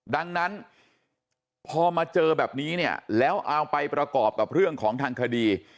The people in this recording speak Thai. ดังนั้นพอมาเจอแบบนี้เนี่ยแล้วเอาไปประกอบกับเรื่องของทางคดี